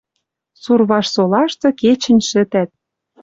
Сурваж солашты кечӹнь шӹтӓт